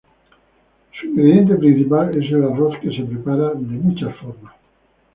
Su ingrediente principal es el arroz que se prepara de muchas formas.